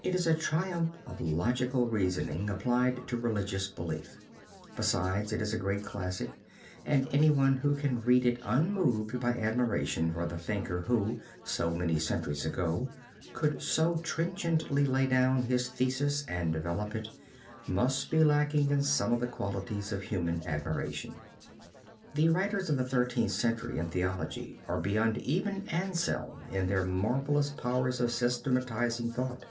It is a triumph of logical reasoning, applied to religious belief. Besides, it is a great classic and any one who can read it unmoved by admiration for the thinker who, so many centuries ago, could so trenchantly lay down his thesis and develop it, must be lacking in some of the qualities of human admiration. The writers of the Thirteenth Century in theology are beyond even Anselm in their marvelous powers of systematizing thought.